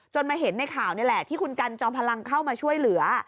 มาเห็นในข่าวนี่แหละที่คุณกันจอมพลังเข้ามาช่วยเหลือ